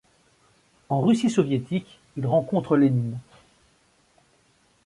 En Russie soviétique, il rencontre Lénine.